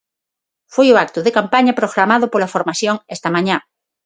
Foi o acto de campaña programado pola formación esta mañá.